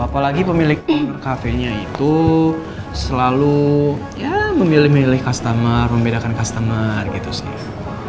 apalagi pemilik kafe nya itu selalu memilih milih customer membedakan customer gitu safe